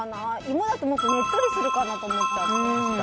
芋だともっとねっとりするかなと思って。